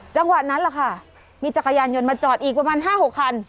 จังหวะนั้นแหละค่ะมีจักรยานยนต์มาจอดอีกประมาณ๕๖คัน